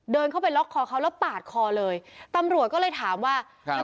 เดินเข้าไปล็อกคอเขาแล้วปาดคอเลยตำรวจก็เลยถามว่าครับ